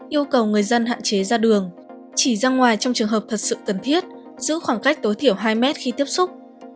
yêu cầu người dân hạn chế ra đường chỉ ra ngoài trong trường hợp thật sự cần thiết giữ khoảng cách tối thiểu hai mét khi tiếp xúc